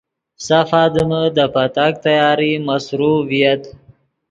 سف آدمے دے پتاک تیاری مصروف ڤییت